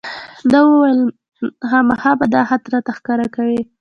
ده وویل خامخا به دا خط راته ښکاره کوې.